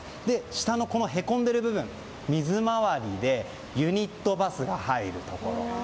下のへこんでいる部分水回りでユニットバスが入るところ。